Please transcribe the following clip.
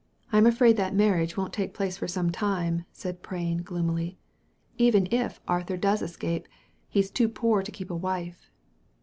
I'm afraid that marriage won't take place for some time," said Prain, gloomily; "even if Arthur does escape, he's too poor to keep a wife."